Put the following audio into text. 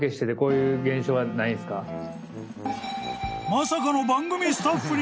［まさかの］